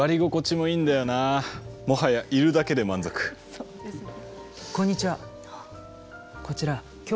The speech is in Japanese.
そうですね。